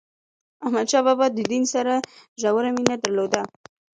احمد شاه بابا د دین سره ژوره مینه درلوده.